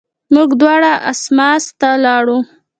موږ دواړه اسماس ته ولاړو.